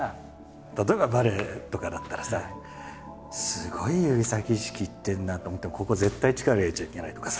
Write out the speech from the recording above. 例えばバレエとかだったらさすごい指先意識いってるなと思ってもここ絶対力入れちゃいけないとかさ。